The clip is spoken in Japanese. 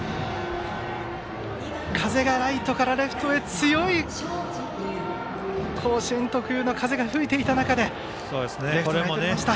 ライトからレフトへ強い甲子園特有の風が吹いていた中でレフトよくとりました。